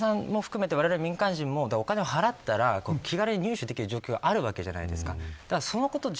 多田さんも含めて民間人もお金を払ったら気軽に入手できる状況があるわけじゃないですか。